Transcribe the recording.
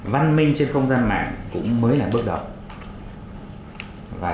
văn minh trên không gian mạng cũng mới là bước đầu